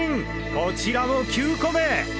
こちらも９個目！